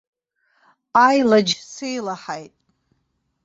Аилаџь сеилаҳаит.